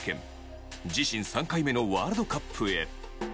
自身３回目のワールドカップへ。